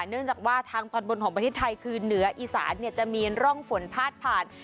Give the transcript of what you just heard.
เนื่องจากว่าทางตอนบนของประเทศไทยคือเหนืออีสานจะมีร่องฝนพาดผ่าน